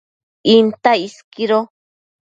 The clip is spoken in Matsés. Intac isquido